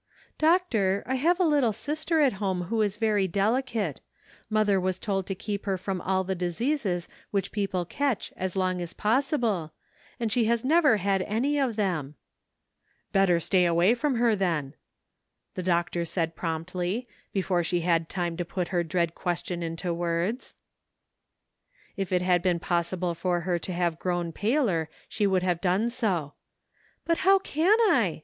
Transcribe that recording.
"Doctor, I have a little sister at home who is very delicate ; mother was told to keep her from all the diseases which people catch as long as possible, and she has never had any of them "—" Better stay away from her, then," the doc tor said promptly, before she had time to put her dread question into words. If it had been possible for her to have grown paler, she would have done so. " But how can I?"